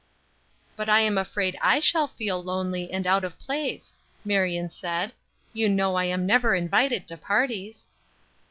"But I am afraid I shall feel lonely, and out of place," Marion said; "you know I am never invited to parties."